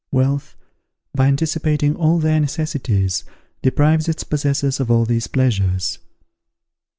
Wealth, by anticipating all their necessities, deprives its possessors of all these pleasures.